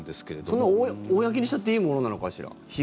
それ、公にしちゃっていいものなのかしら。